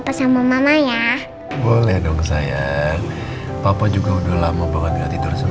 pedestres daritamah yang dimasuki tante luca